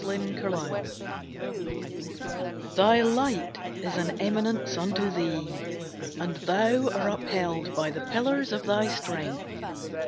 TO THE SUN Thy light is as an eminence unto thee, And thou are upheld by the pillars of thy strength.